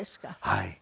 はい。